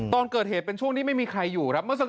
ตอนเกิดเหตุเป็นช่วงที่ไม่มีใครอยู่ครับ